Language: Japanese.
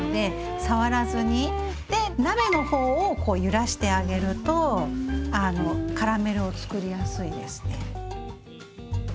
で鍋の方をこう揺らしてあげるとカラメルをつくりやすいですね。